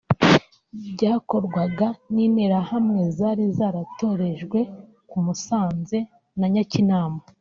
byakorwaga n’interahamwe zari zaratorejwe ku Musanze na Nyakinama